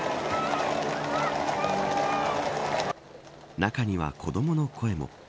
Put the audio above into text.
中には子どもの声も。